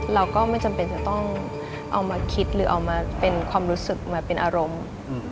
เราก็ไม่จำเป็นจะต้องเอามาคิดหรือเอามาเป็นความรู้สึกมาเป็นอารมณ์